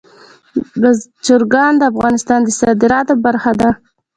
چرګان د افغانستان د صادراتو برخه ده.